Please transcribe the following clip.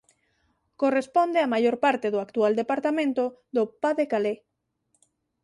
Corresponde á maior parte do actual departamento do Pas de Calais.